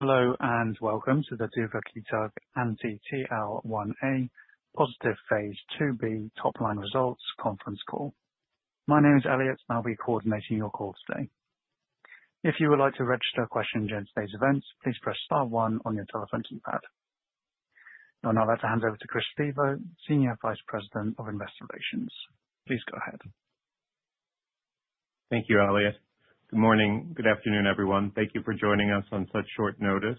Hello and welcome to the duvakitug anti-TL1A positive phase II-B topline results conference call. My name is Elliot, and I'll be coordinating your call today. If you would like to register a question during today's events, please press star one on your telephone keypad. I'll now hand it over to Chris Stevo, Senior Vice President of Investor Relations. Please go ahead. Thank you, Elliot. Good morning, good afternoon, everyone. Thank you for joining us on such short notice.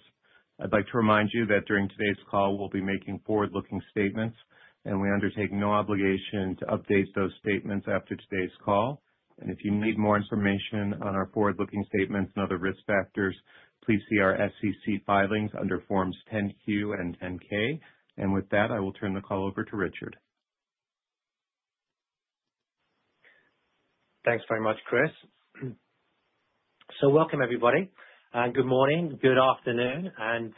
I'd like to remind you that during today's call, we'll be making forward-looking statements, and we undertake no obligation to update those statements after today's call. And if you need more information on our forward-looking statements and other risk factors, please see our SEC filings under Forms 10-Q and 10-K. And with that, I will turn the call over to Richard. Thanks very much, Chris. So, welcome, everybody. Good morning, good afternoon, and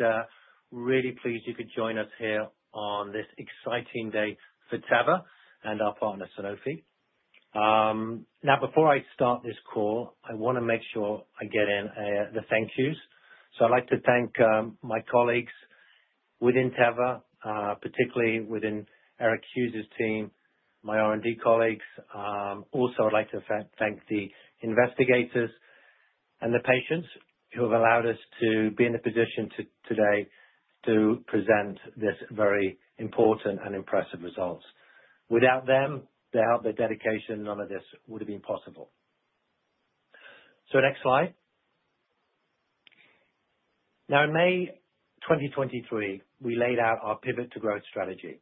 really pleased you could join us here on this exciting day for Teva and our partner, Sanofi. Now, before I start this call, I want to make sure I get in the thank yous. So I'd like to thank my colleagues within Teva, particularly within Eric Hughes' team, my R&D colleagues. Also, I'd like to thank the investigators and the patients who have allowed us to be in the position today to present this very important and impressive result. Without them, their help, their dedication, none of this would have been possible. So next slide. Now, in May 2023, we laid out our Pivot to Growth strategy.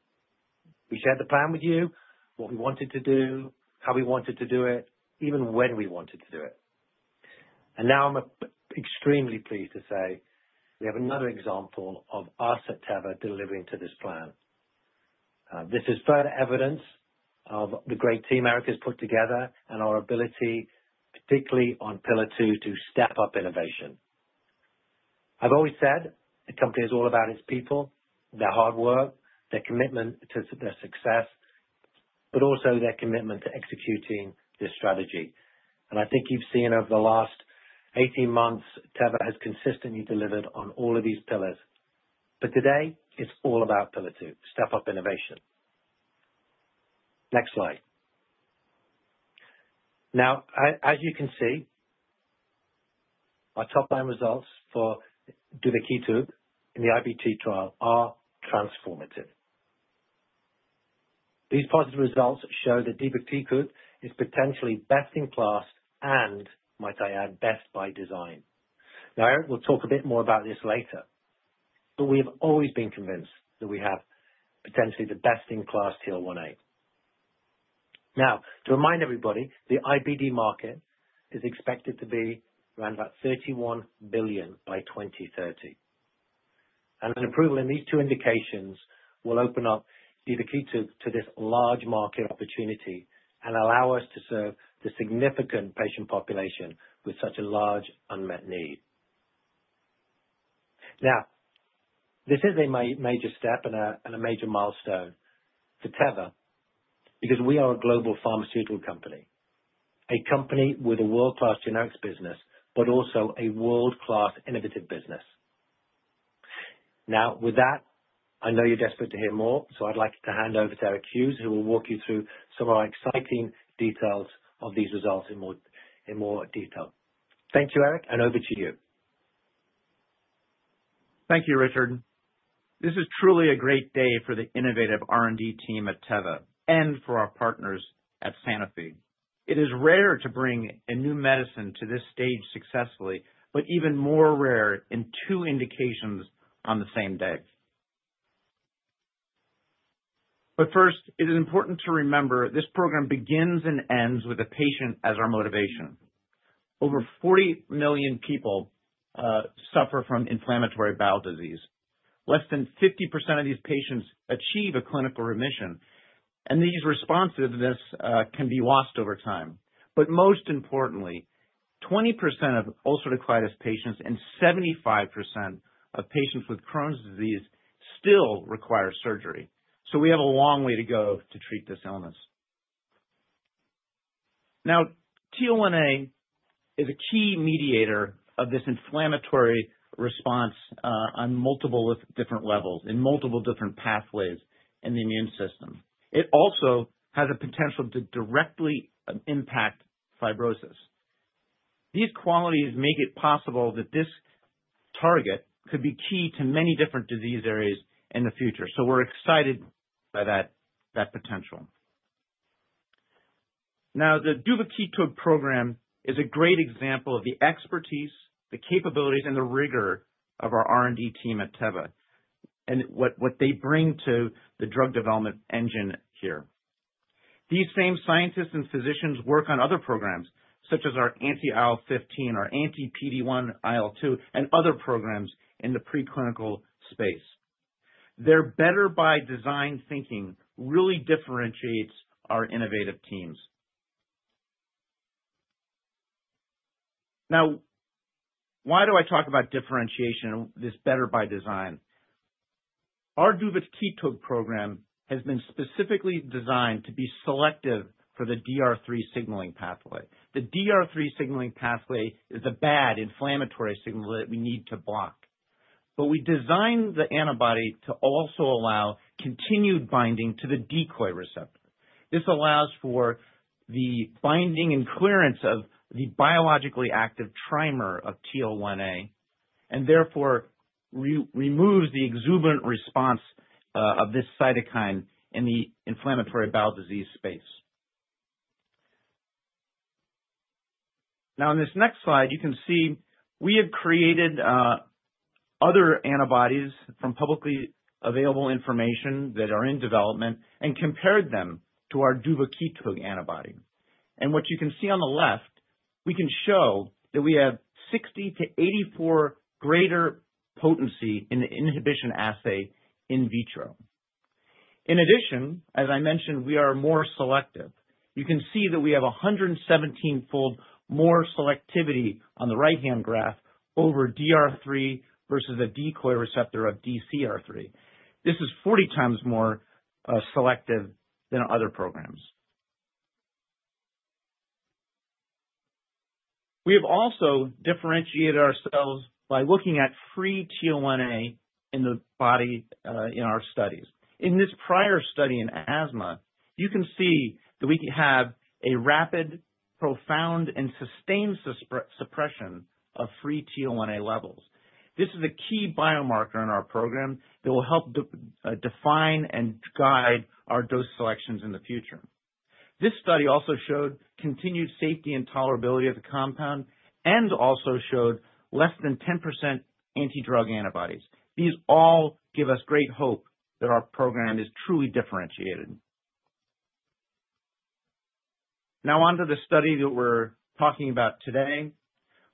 We shared the plan with you, what we wanted to do, how we wanted to do it, even when we wanted to do it. Now I'm extremely pleased to say we have another example of us at Teva delivering to this plan. This is further evidence of the great team Eric has put together and our ability, particularly on pillar two, to Step Up Innovation. I've always said a company is all about its people, their hard work, their commitment to their success, but also their commitment to executing this strategy. And I think you've seen over the last 18 months, Teva has consistently delivered on all of these pillars. But today, it's all about pillar two, Step Up Innovation. Next slide. Now, as you can see, our top line results for duvakitug in the IBD trial are transformative. These positive results show that duvakitug is potentially best in class and, might I add, best by design. Now, Eric will talk a bit more about this later, but we have always been convinced that we have potentially the best in class TL1A. Now, to remind everybody, the IBD market is expected to be around about $31 billion by 2030. And an approval in these two indications will open up duvakitug to this large market opportunity and allow us to serve the significant patient population with such a large unmet need. Now, this is a major step and a major milestone for Teva because we are a global pharmaceutical company, a company with a world-class generics business, but also a world-class innovative business. Now, with that, I know you're desperate to hear more, so I'd like to hand over to Eric Hughes, who will walk you through some of our exciting details of these results in more detail. Thank you, Eric, and over to you. Thank you, Richard. This is truly a great day for the innovative R&D team at Teva and for our partners at Sanofi. It is rare to bring a new medicine to this stage successfully, but even more rare in two indications on the same day. But first, it is important to remember this program begins and ends with a patient as our motivation. Over 40 million people suffer from inflammatory bowel disease. Less than 50% of these patients achieve a clinical remission, and these responsiveness can be lost over time. But most importantly, 20% of ulcerative colitis patients and 75% of patients with Crohn's disease still require surgery. So we have a long way to go to treat this illness. Now, TL1A is a key mediator of this inflammatory response on multiple different levels in multiple different pathways in the immune system. It also has a potential to directly impact fibrosis. These qualities make it possible that this target could be key to many different disease areas in the future. So we're excited by that potential. Now, the duvakitug program is a great example of the expertise, the capabilities, and the rigor of our R&D team at Teva and what they bring to the drug development engine here. These same scientists and physicians work on other programs such as our anti-IL-15, our anti-PD-1-IL-2, and other programs in the preclinical space. Their better-by-design thinking really differentiates our innovative teams. Now, why do I talk about differentiation and this better-by-design? Our duvakitug program has been specifically designed to be selective for the DR3 signaling pathway. The DR3 signaling pathway is the bad inflammatory signal that we need to block. But we designed the antibody to also allow continued binding to the decoy receptor. This allows for the binding and clearance of the biologically active trimer of TL1A and therefore removes the exuberant response of this cytokine in the inflammatory bowel disease space. Now, on this next slide, you can see we have created other antibodies from publicly available information that are in development and compared them to our duvakitug antibody. And what you can see on the left, we can show that we have 60-84 greater potency in the inhibition assay in vitro. In addition, as I mentioned, we are more selective. You can see that we have a 117-fold more selectivity on the right-hand graph over DR3 versus the decoy receptor of DcR3. This is 40 times more selective than other programs. We have also differentiated ourselves by looking at free TL1A in the body in our studies. In this prior study in asthma, you can see that we have a rapid, profound, and sustained suppression of free TL1A levels. This is a key biomarker in our program that will help define and guide our dose selections in the future. This study also showed continued safety and tolerability of the compound and also showed less than 10% anti-drug antibodies. These all give us great hope that our program is truly differentiated. Now, on to the study that we're talking about today,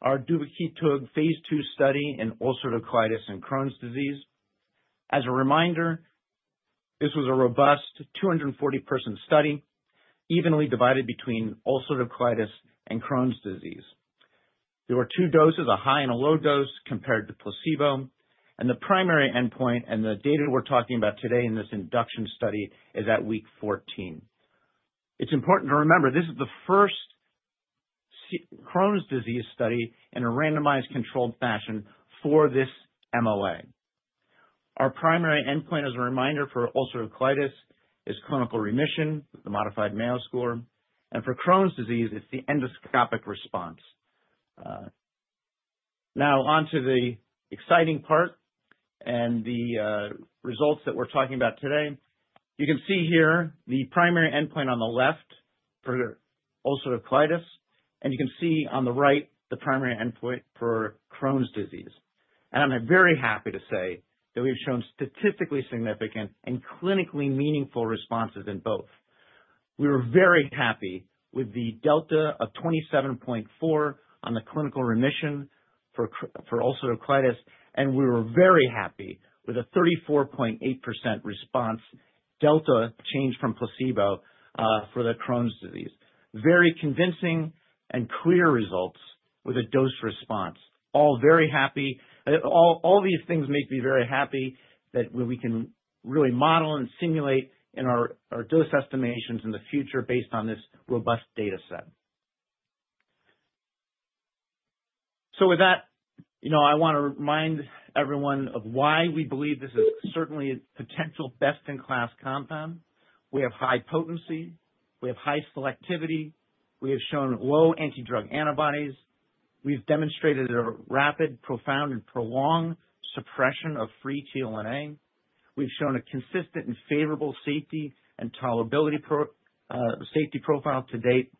our duvakitug phase II study in ulcerative colitis and Crohn's disease. As a reminder, this was a robust 240-person study evenly divided between ulcerative colitis and Crohn's disease. There were two doses, a high and a low dose compared to placebo. The primary endpoint and the data we're talking about today in this induction study is at week 14. It's important to remember this is the first Crohn's disease study in a randomized controlled fashion for this MOA. Our primary endpoint, as a reminder, for ulcerative colitis is clinical remission, the Modified Mayo Score, and for Crohn's disease, it's the endoscopic response. Now, on to the exciting part and the results that we're talking about today. You can see here the primary endpoint on the left for ulcerative colitis, and you can see on the right the primary endpoint for Crohn's disease. I'm very happy to say that we've shown statistically significant and clinically meaningful responses in both. We were very happy with the delta of 27.4 on the clinical remission for ulcerative colitis, and we were very happy with a 34.8% response delta change from placebo for the Crohn's disease. Very convincing and clear results with a dose response. All very happy. All these things make me very happy that we can really model and simulate in our dose estimations in the future based on this robust data set. So with that, I want to remind everyone of why we believe this is certainly a potential best-in-class compound. We have high potency. We have high selectivity. We have shown low anti-drug antibodies. We've demonstrated a rapid, profound, and prolonged suppression of free TL1A. We've shown a consistent and favorable safety and tolerability profile to date,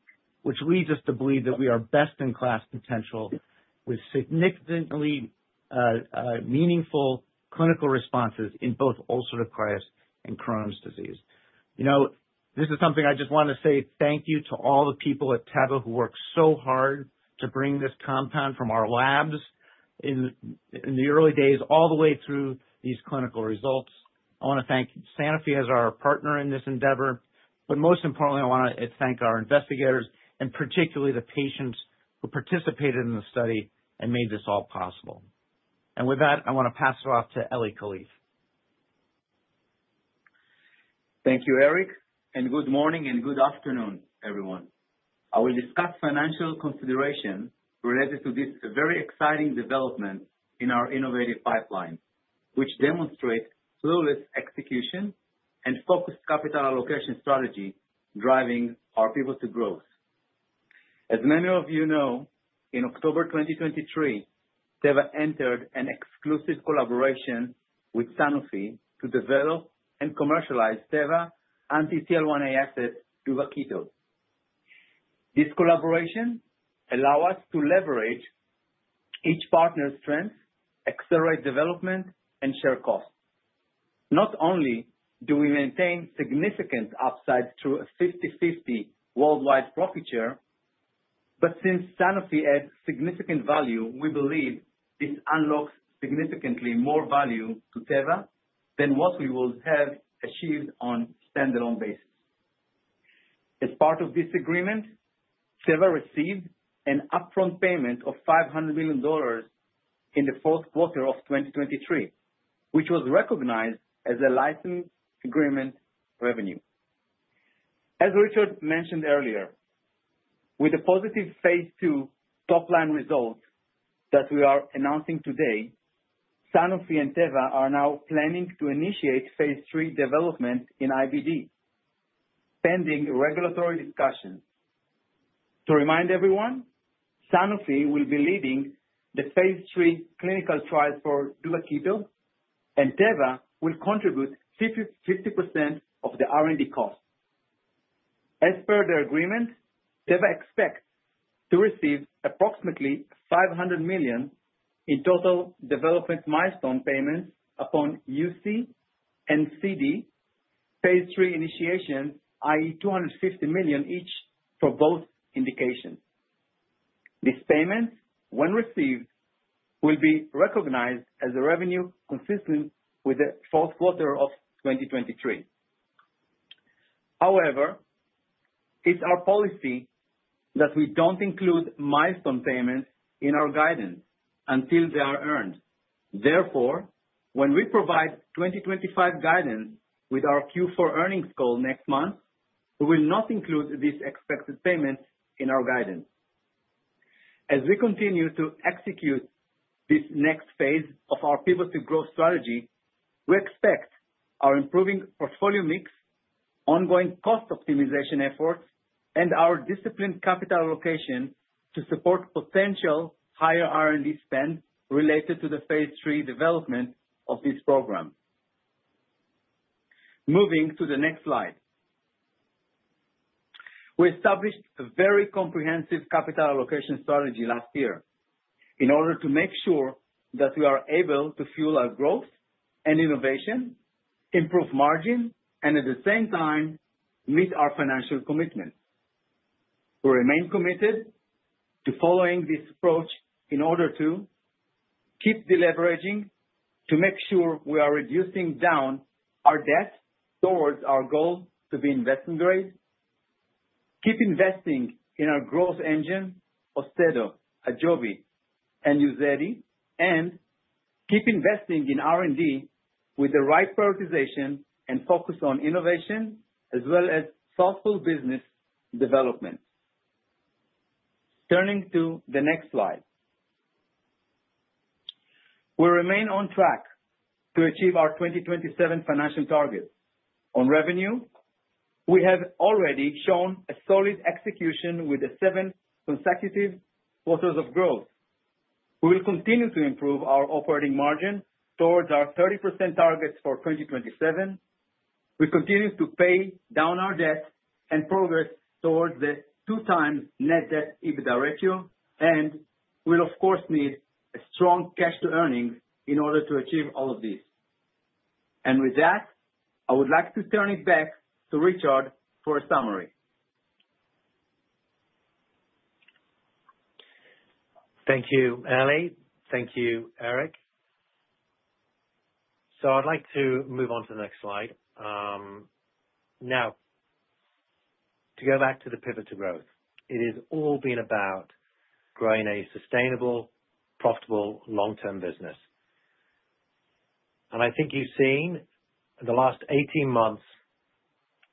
which leads us to believe that we are best in class potential with significantly meaningful clinical responses in both ulcerative colitis and Crohn's disease. This is something I just want to say thank you to all the people at Teva who worked so hard to bring this compound from our labs in the early days all the way through these clinical results. I want to thank Sanofi as our partner in this endeavor, but most importantly, I want to thank our investigators and particularly the patients who participated in the study and made this all possible, and with that, I want to pass it off to Eli Kalif. Thank you, Eric, and good morning and good afternoon, everyone. I will discuss financial considerations related to this very exciting development in our innovative pipeline, which demonstrates flawless execution and focused capital allocation strategy driving our Pivot to Growth. As many of you know, in October 2023, Teva entered an exclusive collaboration with Sanofi to develop and commercialize Teva's anti-TL1A asset duvakitug. This collaboration allows us to leverage each partner's strengths, accelerate development, and share costs. Not only do we maintain significant upside through a 50/50 worldwide profit share, but since Sanofi adds significant value, we believe this unlocks significantly more value to Teva than what we will have achieved on a standalone basis. As part of this agreement, Teva received an upfront payment of $500 million in the fourth quarter of 2023, which was recognized as a license agreement revenue. As Richard mentioned earlier, with the positive phase II top line results that we are announcing today, Sanofi and Teva are now planning to initiate phase III development in IBD, pending regulatory discussions. To remind everyone, Sanofi will be leading the phase III clinical trials for duvakitug, and Teva will contribute 50% of the R&D costs. As per the agreement, Teva expects to receive approximately $500 million in total development milestone payments upon UC and CD phase III initiations, i.e., $250 million each for both indications. These payments, when received, will be recognized as a revenue consistent with the fourth quarter of 2023. However, it's our policy that we don't include milestone payments in our guidance until they are earned. Therefore, when we provide 2025 guidance with our Q4 earnings goal next month, we will not include these expected payments in our guidance. As we continue to execute this next phase of our Pivot to Growth strategy, we expect our improving portfolio mix, ongoing cost optimization efforts, and our disciplined capital allocation to support potential higher R&D spend related to the phase III development of this program. Moving to the next slide. We established a very comprehensive capital allocation strategy last year in order to make sure that we are able to fuel our growth and innovation, improve margin, and at the same time meet our financial commitments. We remain committed to following this approach in order to keep deleveraging to make sure we are reducing down our debt towards our goal to be investment grade, keep investing in our growth engine AUSTEDO, AJOVY, and UZEDY, and keep investing in R&D with the right prioritization and focus on innovation as well as thoughtful business development. Turning to the next slide. We remain on track to achieve our 2027 financial target. On revenue, we have already shown a solid execution with the seven consecutive quarters of growth. We will continue to improve our operating margin towards our 30% targets for 2027. We continue to pay down our debt and progress towards the two times net debt to EBITDA ratio, and we'll, of course, need a strong cash-to-earnings in order to achieve all of these, and with that, I would like to turn it back to Richard for a summary. Thank you, Eli. Thank you, Eric. So I'd like to move on to the next slide. Now, to go back to the Pivot to Growth, it has all been about growing a sustainable, profitable, long-term business. And I think you've seen in the last 18 months,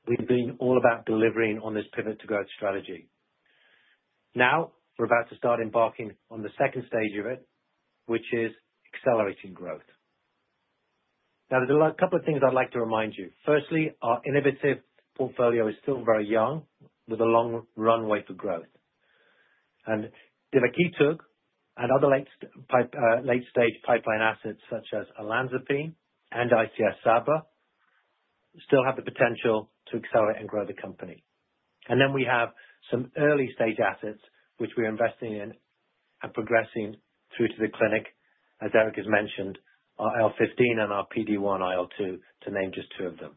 we've been all about delivering on this Pivot to Growth strategy. Now, we're about to start embarking on the second stage of it, which is accelerating growth. Now, there's a couple of things I'd like to remind you. Firstly, our innovative portfolio is still very young with a long runway to growth. And duvakitug and other late-stage pipeline assets such as olanzapine and ICS/SABA still have the potential to accelerate and grow the company. And then we have some early-stage assets which we are investing in and progressing through to the clinic, as Eric has mentioned, our IL-15 and our PD-1-IL-2, to name just two of them.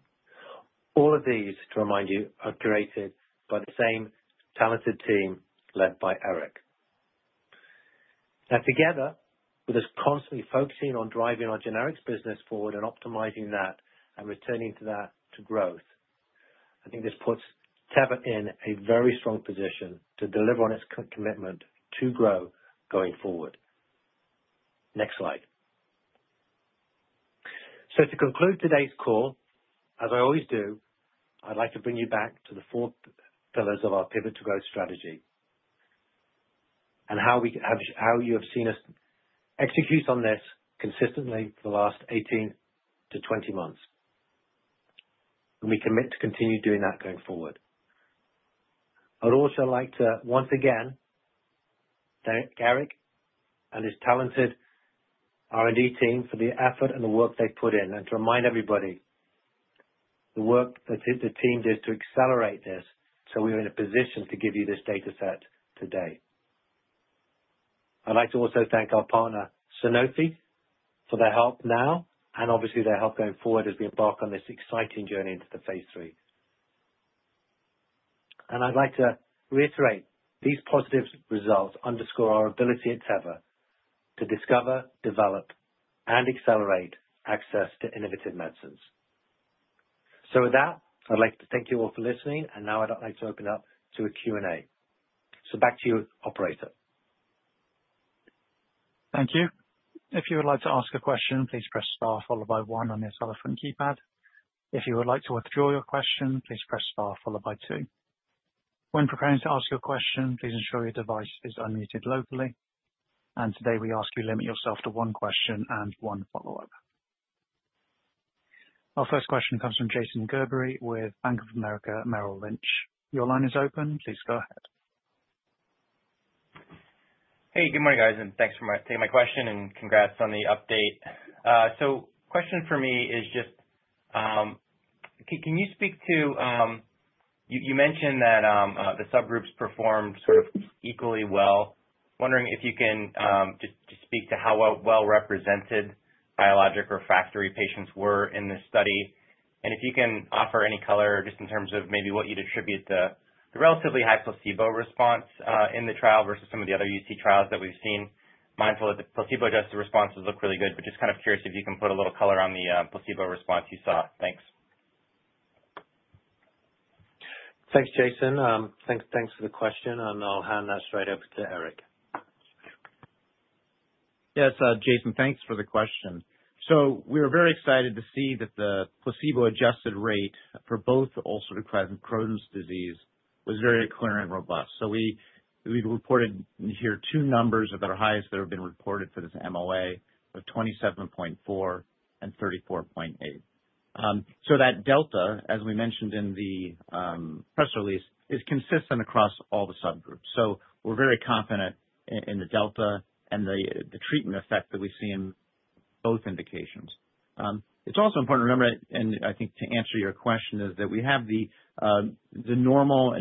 All of these, to remind you, are curated by the same talented team led by Eric. Now, together, with us constantly focusing on driving our generics business forward and optimizing that and returning to that to growth, I think this puts Teva in a very strong position to deliver on its commitment to grow going forward. Next slide. So to conclude today's call, as I always do, I'd like to bring you back to the four pillars of our Pivot to Growth strategy and how you have seen us execute on this consistently for the last 18 to 20 months. And we commit to continue doing that going forward. I'd also like to once again thank Eric and his talented R&D team for the effort and the work they've put in, and to remind everybody, the work that the team did to accelerate this, so we were in a position to give you this data set today. I'd like to also thank our partner, Sanofi, for their help now and obviously their help going forward as we embark on this exciting journey into the phase III, and I'd like to reiterate these positive results underscore our ability at Teva to discover, develop, and accelerate access to innovative medicines, so with that, I'd like to thank you all for listening, and now I'd like to open up to a Q&A, so back to you, operator. Thank you. If you would like to ask a question, please press star followed by one on your telephone keypad. If you would like to withdraw your question, please press star followed by two. When preparing to ask your question, please ensure your device is unmuted locally. Today, we ask you limit yourself to one question and one follow-up. Our first question comes from Jason Gerberry with Bank of America Merrill Lynch. Your line is open. Please go ahead. Hey, good morning, guys, and thanks for taking my question and congrats on the update. So the question for me is just, can you speak to, you mentioned that the subgroups performed sort of equally well. Wondering if you can just speak to how well-represented biologic or refractory patients were in this study. And if you can offer any color just in terms of maybe what you'd attribute the relatively high placebo response in the trial versus some of the other UC trials that we've seen. Mindful that the placebo-adjusted responses look really good, but just kind of curious if you can put a little color on the placebo response you saw. Thanks. Thanks, Jason. Thanks for the question, and I'll hand that straight over to Eric. Yes, Jason, thanks for the question. So we were very excited to see that the placebo-adjusted rate for both ulcerative colitis and Crohn's disease was very clear and robust. So we reported here two numbers that are highest that have been reported for this MOA of 27.4 and 34.8. So that delta, as we mentioned in the press release, is consistent across all the subgroups. So we're very confident in the delta and the treatment effect that we've seen in both indications. It's also important to remember, and I think to answer your question, is that we have the normal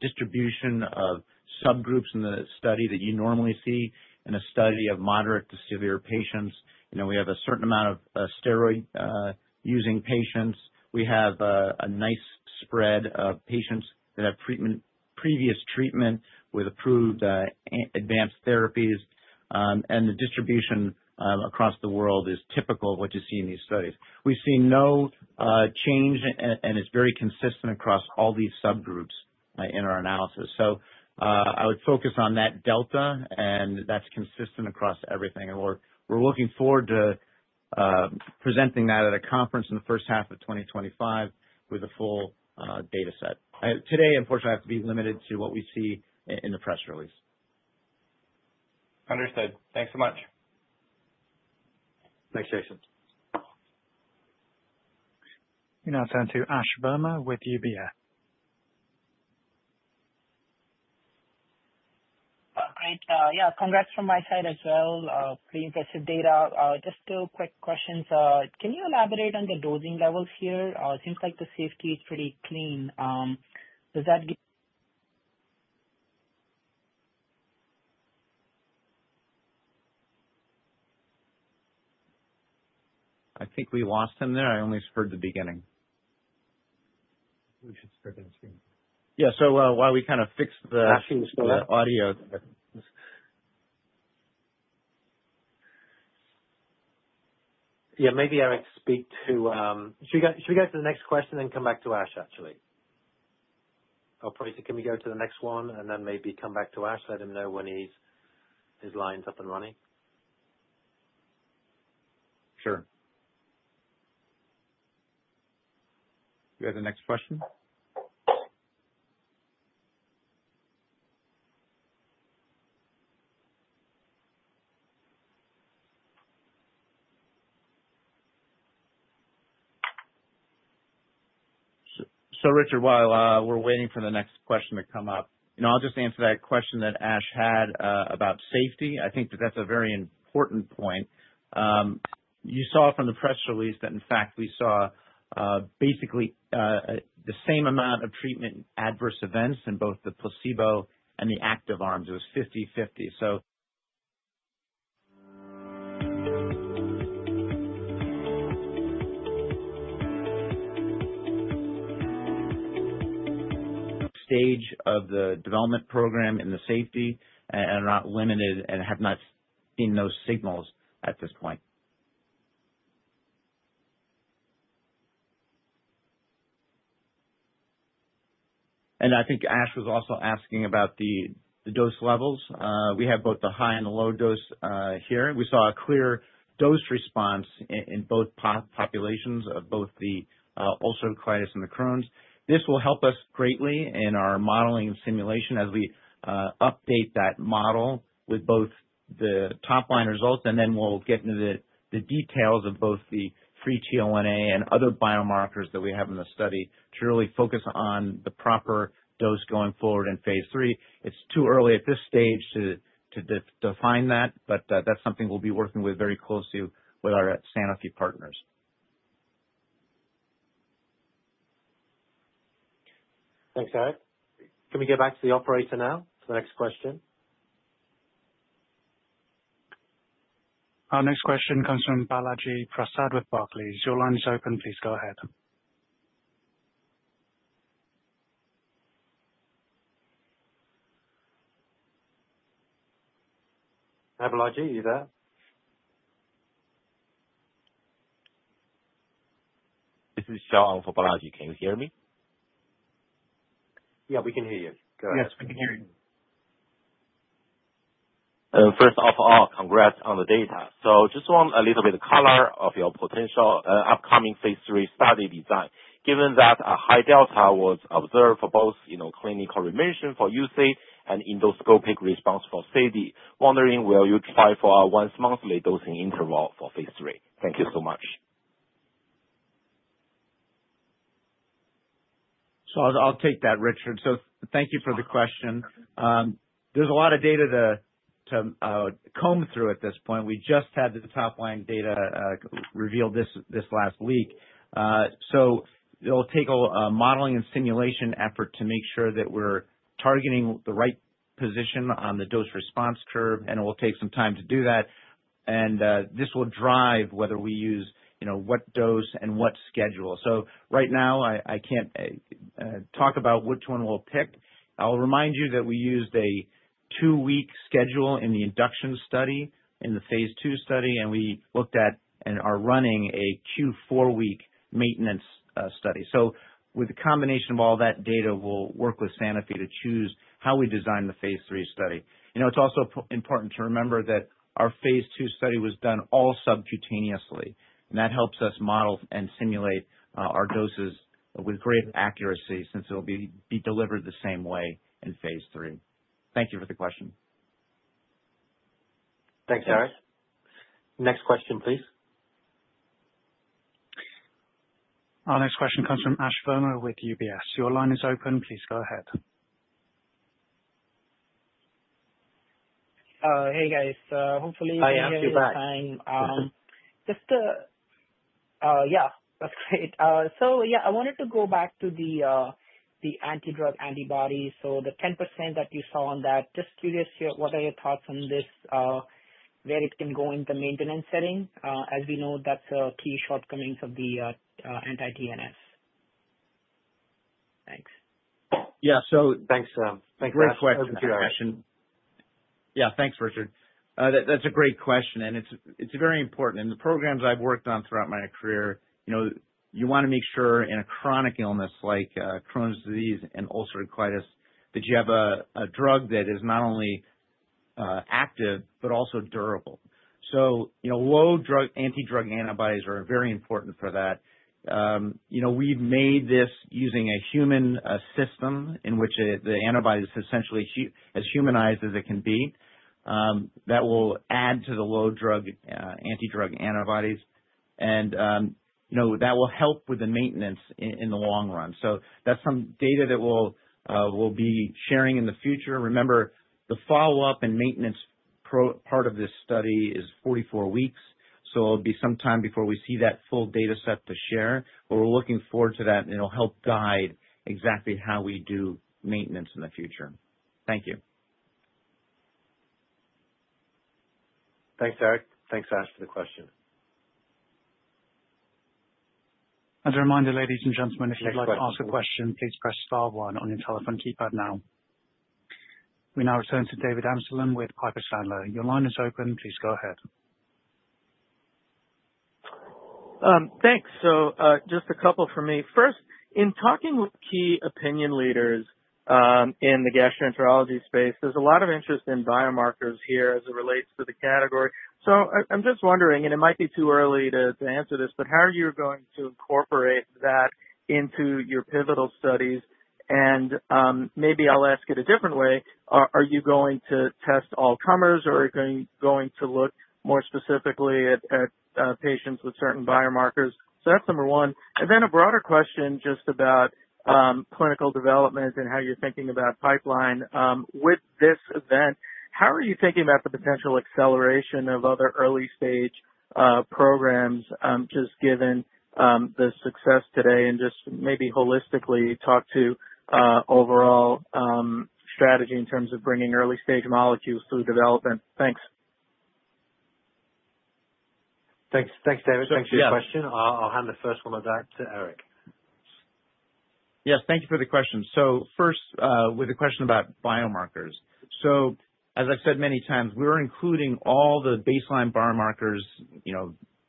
distribution of subgroups in the study that you normally see in a study of moderate to severe patients. We have a certain amount of steroid-using patients. We have a nice spread of patients that have previous treatment with approved advanced therapies. The distribution across the world is typical of what you see in these studies. We've seen no change, and it's very consistent across all these subgroups in our analysis. I would focus on that delta, and that's consistent across everything. We're looking forward to presenting that at a conference in the first half of 2025 with a full data set. Today, unfortunately, I have to be limited to what we see in the press release. Understood. Thanks so much. Thanks, Jason. We now turn to Ash Verma with UBS. Great. Yeah, congrats from my side as well. Pretty impressive data. Just two quick questions. Can you elaborate on the dosing levels here? It seems like the safety is pretty clean. Does that. I think we lost him there. I only heard the beginning. We should still be on screen. Yeah, so while we kind of fix the audio. Yeah, maybe I would speak to should we go to the next question and come back to Ash, actually? Or can we go to the next one and then maybe come back to Ash, let him know when his line's up and running? Sure. You have the next question? So, Richard, while we're waiting for the next question to come up, I'll just answer that question that Ash had about safety. I think that that's a very important point. You saw from the press release that, in fact, we saw basically the same amount of treatment adverse events in both the placebo and the active arms. It was 50/50. So, stage of the development program in the safety and are not limited and have not seen those signals at this point. And I think Ash was also asking about the dose levels. We have both the high and the low dose here. We saw a clear dose response in both populations of both the ulcerative colitis and the Crohn's. This will help us greatly in our modeling and simulation as we update that model with both the top-line results, and then we'll get into the details of both the free TL1A and other biomarkers that we have in the study to really focus on the proper dose going forward in phase III. It's too early at this stage to define that, but that's something we'll be working with very closely with our Sanofi partners. Thanks, Eric. Can we get back to the operator now for the next question? Our next question comes from Balaji Prasad with Barclays. Your line is open. Please go ahead. Hey, Balaji, are you there? This is Shao for Balaji. Can you hear me? Yeah, we can hear you. Go ahead. Yes, we can hear you. First off, congrats on the data. So just want a little bit of color of your potential upcoming phase III study design. Given that a high delta was observed for both clinical remission for UC and endoscopic response for CD, wondering will you try for a once-monthly dosing interval for phase III? Thank you so much. So I'll take that, Richard. So thank you for the question. There's a lot of data to comb through at this point. We just had the top-line data revealed this last week. So it'll take a modeling and simulation effort to make sure that we're targeting the right position on the dose-response curve, and it will take some time to do that. And this will drive whether we use what dose and what schedule. So right now, I can't talk about which one we'll pick. I'll remind you that we used a two-week schedule in the induction study, in the phase II study, and we looked at and are running a Q4-week maintenance study. So with the combination of all that data, we'll work with Sanofi to choose how we design the phase III study. It's also important to remember that our phase II study was done all subcutaneously, and that helps us model and simulate our doses with greater accuracy since it will be delivered the same way in phase III. Thank you for the question. Thanks, Eric. Next question, please. Our next question comes from Ash Verma with UBS. Your line is open. Please go ahead. Hey, guys. Hopefully, time. Hi, Ash. You're back. Yeah, that's great. So yeah, I wanted to go back to the anti-drug antibodies. So the 10% that you saw on that, just curious here, what are your thoughts on this, where it can go in the maintenance setting? As we know, that's a key shortcoming of the anti-TL1A. Thanks. Yeah, so. Thanks. Yeah, thanks, Richard. That's a great question, and it's very important. In the programs I've worked on throughout my career, you want to make sure in a chronic illness like Crohn's disease and ulcerative colitis that you have a drug that is not only active but also durable. So low anti-drug antibodies are very important for that. We've made this using a human system in which the antibody is essentially as humanized as it can be. That will add to the low anti-drug antibodies, and that will help with the maintenance in the long run. So that's some data that we'll be sharing in the future. Remember, the follow-up and maintenance part of this study is 44 weeks, so it'll be some time before we see that full data set to share. But we're looking forward to that, and it'll help guide exactly how we do maintenance in the future. Thank you. Thanks, Eric. Thanks, Ash, for the question. A reminder, ladies and gentlemen, if you'd like to ask a question, please press star one on your telephone keypad now. We now return to David Amsellem with Piper Sandler. Your line is open. Please go ahead. Thanks. So just a couple for me. First, in talking with key opinion leaders in the gastroenterology space, there's a lot of interest in biomarkers here as it relates to the category. So I'm just wondering, and it might be too early to answer this, but how are you going to incorporate that into your pivotal studies? And maybe I'll ask it a different way. Are you going to test all comers, or are you going to look more specifically at patients with certain biomarkers? So that's number one. And then a broader question just about clinical development and how you're thinking about pipeline. With this event, how are you thinking about the potential acceleration of other early-stage programs just given the success today and just maybe holistically talk to overall strategy in terms of bringing early-stage molecules through development? Thanks. Thanks, David. Thanks for your question. I'll hand the first one over to Eric. Yes, thank you for the question. So first, with the question about biomarkers. So as I've said many times, we're including all the baseline biomarkers: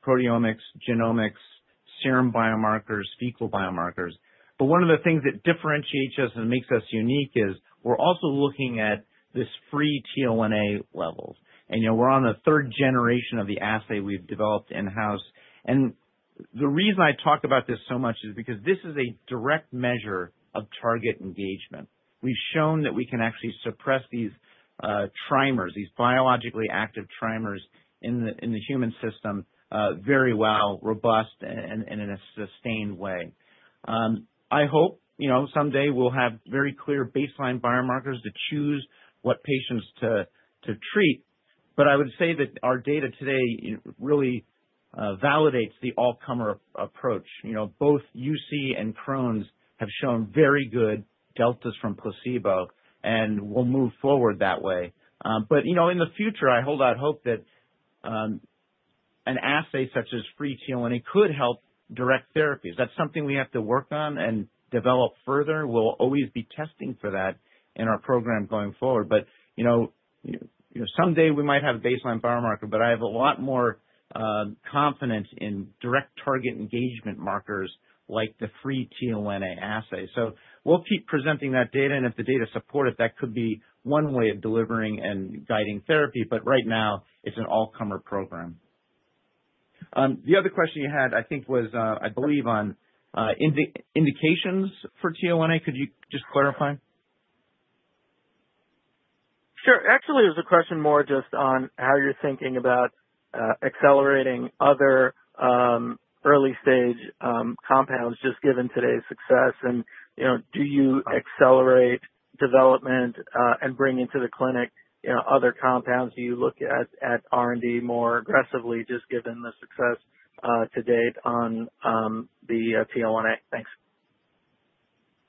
proteomics, genomics, serum biomarkers, fecal biomarkers. But one of the things that differentiates us and makes us unique is we're also looking at this free TL1A levels. And we're on the third generation of the assay we've developed in-house. And the reason I talk about this so much is because this is a direct measure of target engagement. We've shown that we can actually suppress these trimers, these biologically active trimers in the human system very well, robust, and in a sustained way. I hope someday we'll have very clear baseline biomarkers to choose what patients to treat. But I would say that our data today really validates the all-comer approach. Both UC and Crohn's have shown very good deltas from placebo, and we'll move forward that way. But in the future, I hold out hope that an assay such as free TL1A could help direct therapies. That's something we have to work on and develop further. We'll always be testing for that in our program going forward. But someday we might have a baseline biomarker, but I have a lot more confidence in direct target engagement markers like the free TL1A assay. So we'll keep presenting that data, and if the data support it, that could be one way of delivering and guiding therapy. But right now, it's an all-comer program. The other question you had, I think, was, I believe, on indications for TL1A. Could you just clarify? Sure. Actually, it was a question more just on how you're thinking about accelerating other early-stage compounds just given today's success. And do you accelerate development and bring into the clinic other compounds? Do you look at R&D more aggressively just given the success to date on the TL1A? Thanks.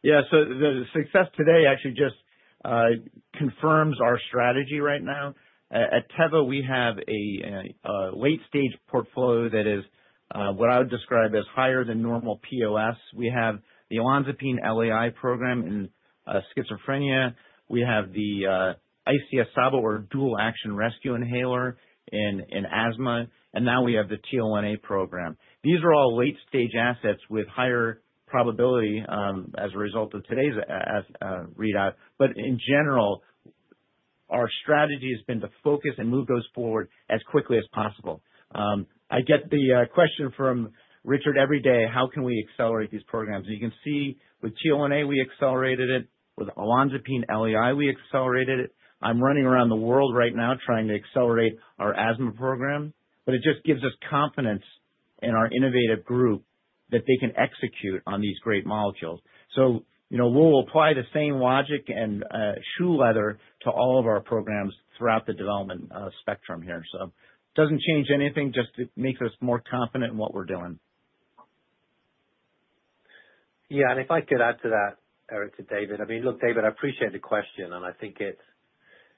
Yeah, so the success today actually just confirms our strategy right now. At Teva, we have a late-stage portfolio that is what I would describe as higher than normal POS. We have the olanzapine LAI program in schizophrenia. We have the ICS/SABA, or dual-action rescue inhaler, in asthma. And now we have the TL1A program. These are all late-stage assets with higher probability as a result of today's readout. But in general, our strategy has been to focus and move those forward as quickly as possible. I get the question from Richard every day: how can we accelerate these programs? And you can see with TL1A, we accelerated it. With olanzapine LAI, we accelerated it. I'm running around the world right now trying to accelerate our asthma program, but it just gives us confidence in our innovative group that they can execute on these great molecules. So we'll apply the same logic and shoe leather to all of our programs throughout the development spectrum here. So it doesn't change anything. Just it makes us more confident in what we're doing. Yeah, and if I could add to that, Eric, to David. I mean, look, David, I appreciate the question, and I think it's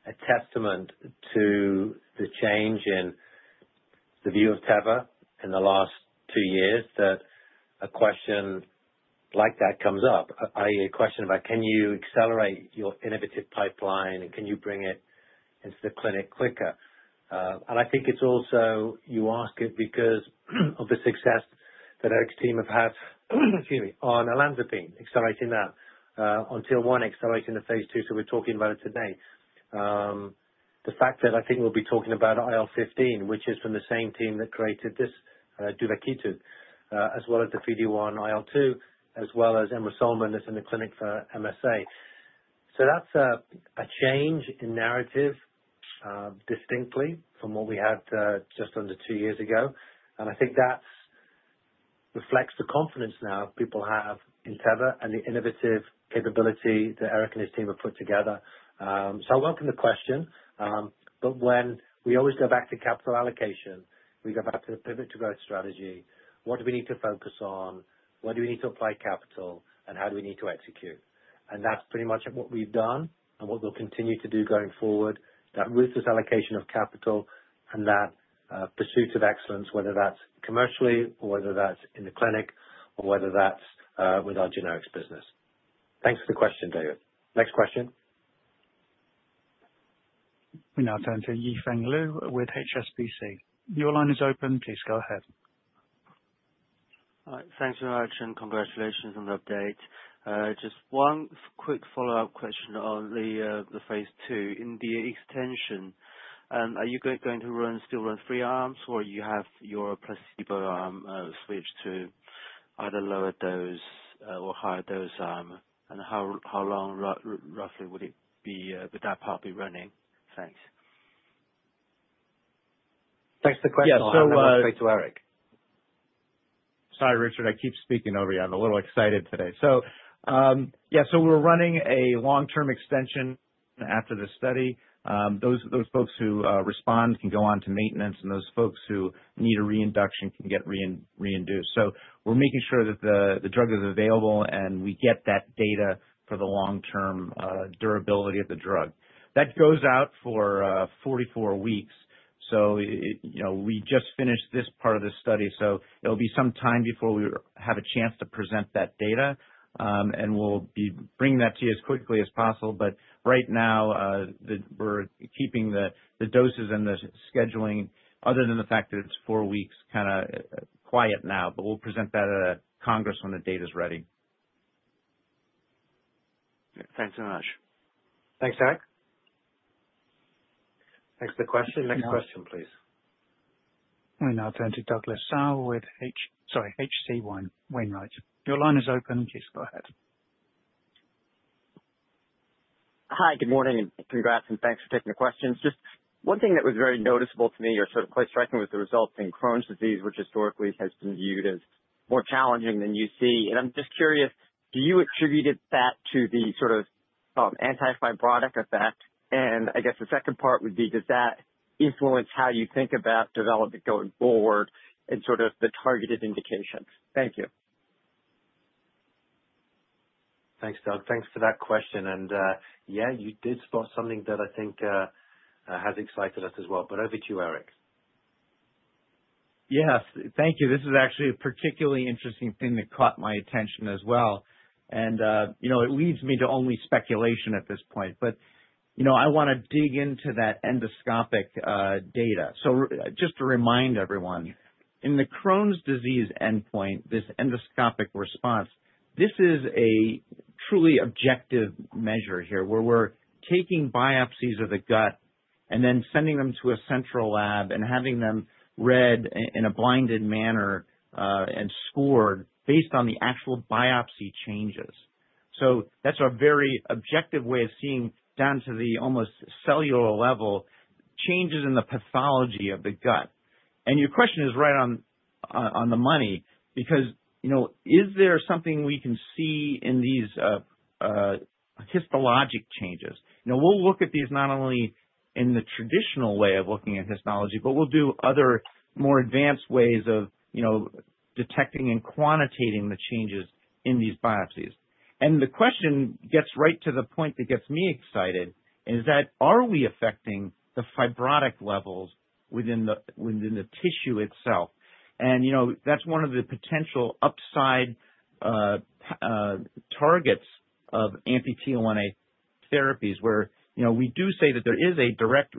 a testament to the change in the view of Teva in the last two years that a question like that comes up, i.e., a question about, can you accelerate your innovative pipeline, and can you bring it into the clinic quicker? And I think it's also you ask it because of the success that Eric's team have had, excuse me, on olanzapine, accelerating that on TL1A, accelerating the phase II. So we're talking about it today. The fact that I think we'll be talking about IL-15, which is from the same team that created this duvakitug, as well as the PD-1-IL-2, as well as emrusolmin that's in the clinic for MSA. So that's a change in narrative distinctly from what we had just under two years ago. And I think that reflects the confidence now people have in Teva and the innovative capability that Eric and his team have put together. So I welcome the question. But when we always go back to capital allocation, we go back to the Pivot to Growth strategy. What do we need to focus on? Where do we need to apply capital? And how do we need to execute? And that's pretty much what we've done and what we'll continue to do going forward: that ruthless allocation of capital and that pursuit of excellence, whether that's commercially, or whether that's in the clinic, or whether that's with our generics business. Thanks for the question, David. Next question. We now turn to Yifeng Liu with HSBC. Your line is open. Please go ahead. Thanks very much, and congratulations on the update. Just one quick follow-up question on the phase II. In the extension, are you going to still run three arms, or do you have your placebo arm switched to either lower dose or higher dose arm? And how long roughly would that part be running? Thanks. Thanks for the question. I'll hand it straight to Eric. Sorry, Richard. I keep speaking over you. I'm a little excited today, so yeah, so we're running a long-term extension after the study. Those folks who respond can go on to maintenance, and those folks who need a reinduction can get reinduced. So we're making sure that the drug is available, and we get that data for the long-term durability of the drug. That goes out for 44 weeks. We just finished this part of the study, so it'll be some time before we have a chance to present that data, and we'll be bringing that to you as quickly as possible, but right now, we're keeping the doses and the scheduling, other than the fact that it's four weeks, kind of quiet now. We'll present that at a congress when the data's ready. Thanks very much. Thanks, Eric. Thanks for the question. Next question, please. We now turn to Douglas Tsao with H.C. Wainwright. Your line is open. Please go ahead. Hi, good morning. And congrats and thanks for taking the questions. Just one thing that was very noticeable to me or sort of quite striking was the results in Crohn's disease, which historically has been viewed as more challenging than UC. And I'm just curious, do you attribute that to the sort of antifibrotic effect? And I guess the second part would be, does that influence how you think about development going forward and sort of the targeted indications? Thank you. Thanks, Doug. Thanks for that question. And yeah, you did spot something that I think has excited us as well. But over to you, Eric. Yes, thank you. This is actually a particularly interesting thing that caught my attention as well. And it leads me to only speculation at this point. But I want to dig into that endoscopic data. So just to remind everyone, in the Crohn's disease endpoint, this endoscopic response, this is a truly objective measure here where we're taking biopsies of the gut and then sending them to a central lab and having them read in a blinded manner and scored based on the actual biopsy changes. So that's a very objective way of seeing down to the almost cellular level changes in the pathology of the gut. And your question is right on the money because is there something we can see in these histologic changes? Now, we'll look at these not only in the traditional way of looking at histology, but we'll do other more advanced ways of detecting and quantitating the changes in these biopsies. And the question gets right to the point that gets me excited, and it's that, are we affecting the fibrotic levels within the tissue itself? And that's one of the potential upside targets of anti-TL1A therapies where we do say that there is a direct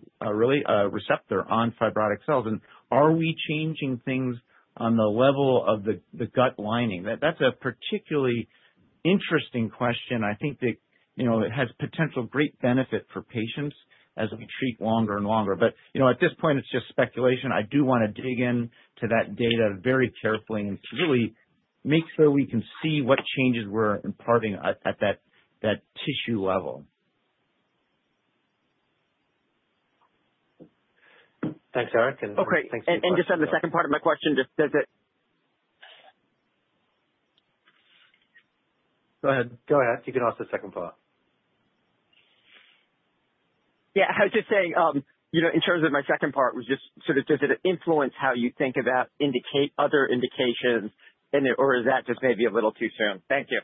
receptor on fibrotic cells. And are we changing things on the level of the gut lining? That's a particularly interesting question. I think that it has potential great benefit for patients as we treat longer and longer. But at this point, it's just speculation. I do want to dig into that data very carefully and really make sure we can see what changes we're imparting at that tissue level. Thanks, Eric, and thanks for the question. Okay. And just on the second part of my question, just does it? Go ahead. Go ahead. You can ask the second part. Yeah, I was just saying in terms of my second part, was just sort of does it influence how you think about other indications, or is that just maybe a little too soon? Thank you.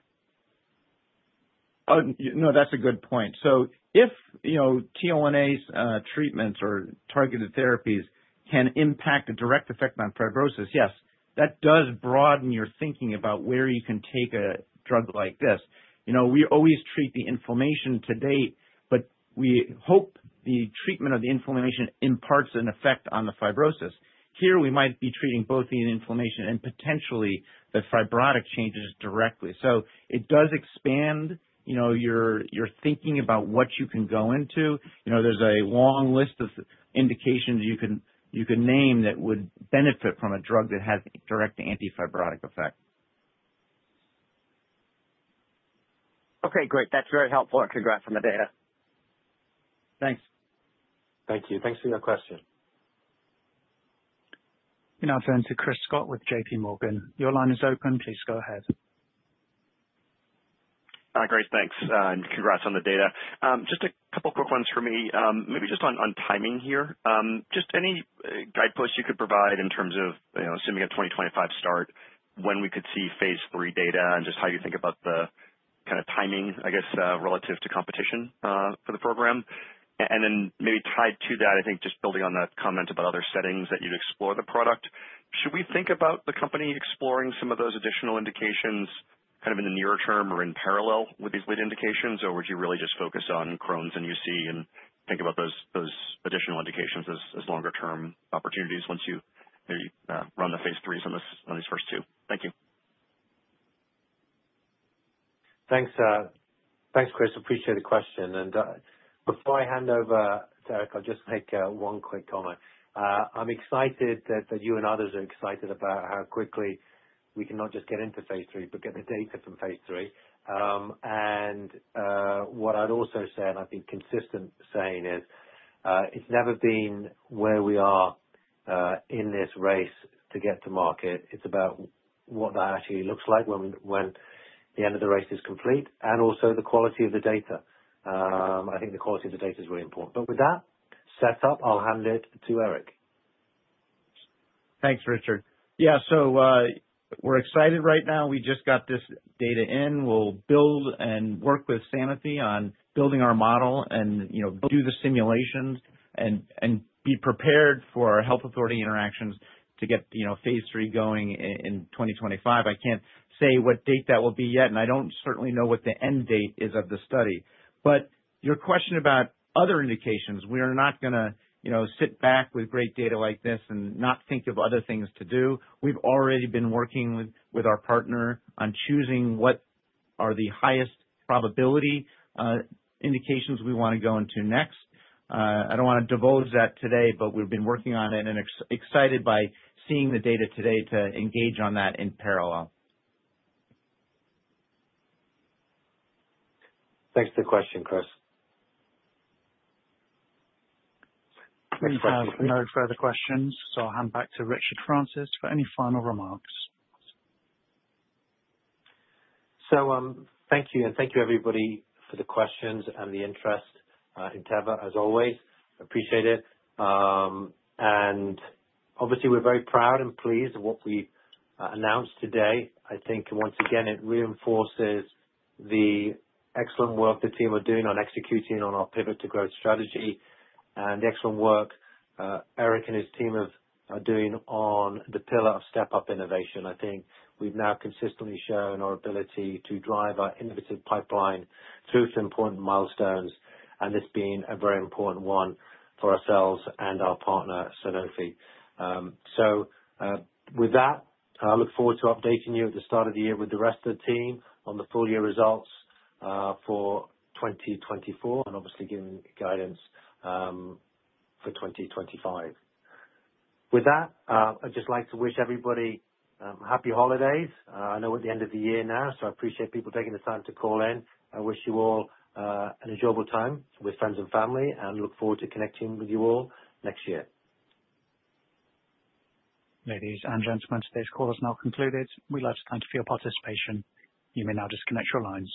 No, that's a good point. So if TL1A treatments or targeted therapies can have a direct effect on fibrosis, yes, that does broaden your thinking about where you can take a drug like this. We always treat the inflammation to date, but we hope the treatment of the inflammation imparts an effect on the fibrosis. Here, we might be treating both the inflammation and potentially the fibrotic changes directly. So it does expand your thinking about what you can go into. There's a long list of indications you can name that would benefit from a drug that has a direct antifibrotic effect. Okay, great. That's very helpful, and congrats on the data. Thanks. Thank you. Thanks for your question. We now turn to Chris Schott with JPMorgan. Your line is open. Please go ahead. Great. Thanks. And congrats on the data. Just a couple of quick ones for me, maybe just on timing here. Just any guideposts you could provide in terms of assuming a 2025 start, when we could see phase III data and just how you think about the kind of timing, I guess, relative to competition for the program? And then maybe tied to that, I think just building on that comment about other settings that you'd explore the product, should we think about the company exploring some of those additional indications kind of in the near term or in parallel with these late indications, or would you really just focus on Crohn's and UC and think about those additional indications as longer-term opportunities once you run the phase IIIs on these first two? Thank you. Thanks, Chris. Appreciate the question. And before I hand over to Eric, I'll just make one quick comment. I'm excited that you and others are excited about how quickly we can not just get into phase III, but get the data from phase III. And what I'd also say, and I've been consistent saying, is it's never been where we are in this race to get to market. It's about what that actually looks like when the end of the race is complete and also the quality of the data. I think the quality of the data is really important. But with that set up, I'll hand it to Eric. Thanks, Richard. Yeah, so we're excited right now. We just got this data in. We'll build and work with Sanofi on building our model and do the simulations and be prepared for our health authority interactions to get phase III going in 2025. I can't say what date that will be yet, and I don't certainly know what the end date is of the study. But your question about other indications, we are not going to sit back with great data like this and not think of other things to do. We've already been working with our partner on choosing what are the highest probability indications we want to go into next. I don't want to divulge that today, but we've been working on it and excited by seeing the data today to engage on that in parallel. Thanks for the question, Chris. No further questions. So I'll hand back to Richard Francis for any final remarks. So thank you, and thank you, everybody, for the questions and the interest in Teva, as always. Appreciate it. And obviously, we're very proud and pleased with what we announced today. I think once again, it reinforces the excellent work the team are doing on executing on our Pivot to Growth strategy and the excellent work Eric and his team are doing on the pillar of step-up innovation. I think we've now consistently shown our ability to drive our innovative pipeline through some important milestones, and it's been a very important one for ourselves and our partner, Sanofi. So with that, I look forward to updating you at the start of the year with the rest of the team on the full year results for 2024 and obviously giving guidance for 2025. With that, I'd just like to wish everybody happy holidays. I know we're at the end of the year now, so I appreciate people taking the time to call in. I wish you all an enjoyable time with friends and family and look forward to connecting with you all next year. Ladies and gentlemen, today's call has now concluded. We'd like to thank you for your participation. You may now disconnect your lines.